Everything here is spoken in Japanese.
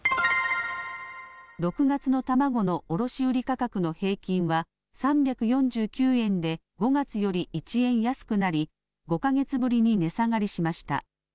６月の卵の卸売価格の平均は３４９円で５月より１円安くなり５か月ぶりに値下がりしました。